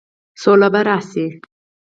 سوله به راشي؟